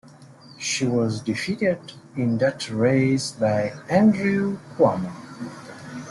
She was defeated in that race by Andrew Cuomo.